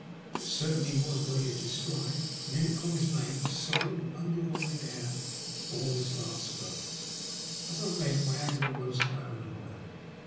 It certainly was what he had described, and in it I was named as sole and undivided heir to all his vast wealth. As I read, my anger rose higher and higher.